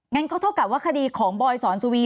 งั้นก็เท่ากับว่าคดีของบอยสอนสุวี